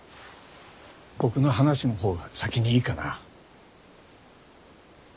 僕の話の方が先にいいかな？